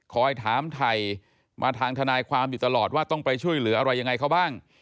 คอยถามไทยมาทางทนายความอยู่ตลอดว่าต้องไปช่วยเหลืออะไรยังไงเขาบ้าง